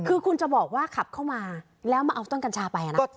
คือคุณจะบอกว่าขับเข้ามาแล้วมาเอาต้นกัญชาไปนะ